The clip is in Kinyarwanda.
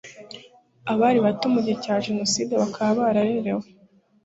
abari bato mu gihe cya jenoside bakaba bararerewe